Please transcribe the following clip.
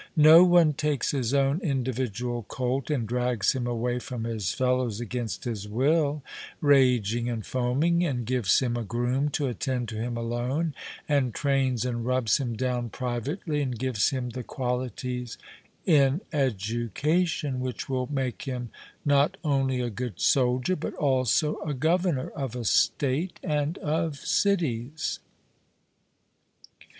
No one takes his own individual colt and drags him away from his fellows against his will, raging and foaming, and gives him a groom to attend to him alone, and trains and rubs him down privately, and gives him the qualities in education which will make him not only a good soldier, but also a governor of a state and of cities.